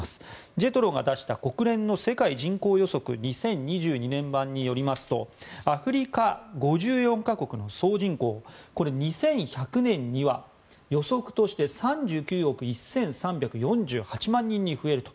ＪＥＴＲＯが出した国連の人口予測２０２２年版によりますとアフリカ５４か国の総人口２１００年には予測として３９億１３４８万人に増えると。